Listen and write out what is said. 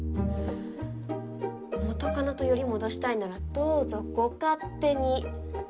元カノとヨリ戻したいならどうぞご勝手に！